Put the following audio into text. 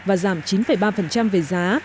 và giảm chín ba về giá